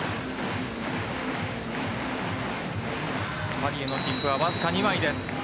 パリへの切符はわずか２枚です。